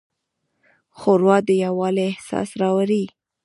ښوروا د یووالي احساس راولي.